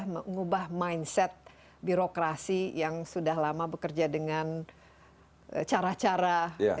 mengubah mindset birokrasi yang sudah lama bekerja dengan cara cara